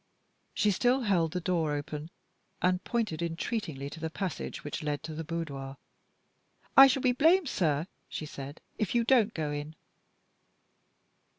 She still held the door open, and pointed entreatingly to the passage which led to the boudoir "I shall be blamed, sir," she said, "if you don't go in."